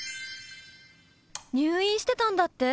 入院してたんだって？